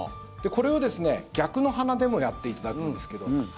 これを逆の鼻でもやっていただくんですけど。